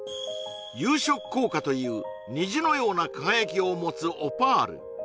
遊色効果という虹のような輝きを持つオパール